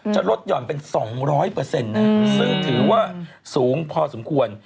จะลดหย่อนเป็น๒๐๐นะซึ่งถือว่าสูงพอสมควร